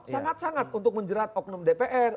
sangat sangat untuk menjerat oknum dpr